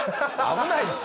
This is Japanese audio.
危ないし！